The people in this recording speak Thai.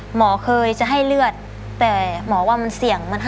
หมอเคยจะให้เลือดแต่หมอว่ามันเสี่ยงมัน๕๐๕๐ค่ะ